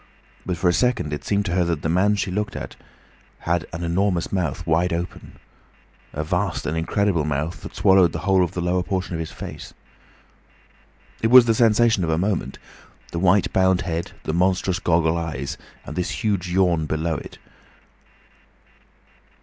But for a second it seemed to her that the man she looked at had an enormous mouth wide open—a vast and incredible mouth that swallowed the whole of the lower portion of his face. It was the sensation of a moment: the white bound head, the monstrous goggle eyes, and this huge yawn below it.